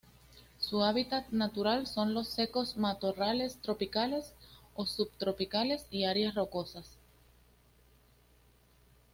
Su hábitat natural son los secos matorrales tropicales o subtropicales y áreas rocosas.